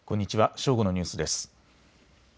正午のニュースです。